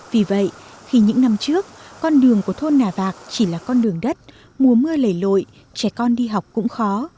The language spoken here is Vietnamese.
vì vậy khi những năm trước con đường của thôn nà vạc chỉ là con đường đất mùa mưa lầy lội trẻ con đi học cũng khó